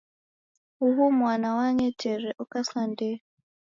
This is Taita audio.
Uhu mwana wang'etere, oka sa ndee.